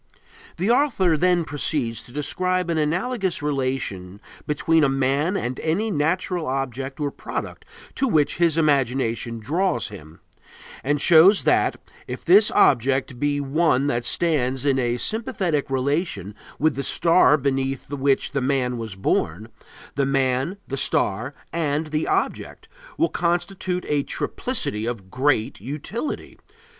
The author then proceeds to describe an analogous relation between a man and any natural object or product to which his imagination draws him, and shows that, if this object be one that stands in a sympathetic relation with the star beneath which the man was born, the man, the star, and the object will constitute a triplicity of great utility.